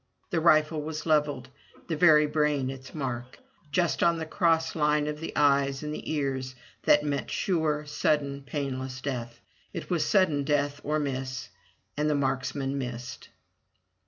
The rifle was levelled, the very brain its mark, just on the cross line of the eyes and ears, that meant sure — sudden, painless death. It was sudden death or miss — and the marksman missed.